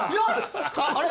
あれ？